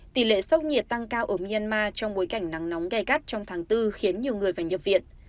tỷ lệ sốc nhiệt tăng cao ở myanmar trong bối cảnh nắng nóng gai gắt trong tháng bốn khiến nhiều người phải nhập viện